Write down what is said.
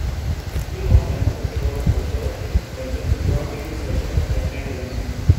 The theme of democracy was also central to John Dewey's version of pragmatism.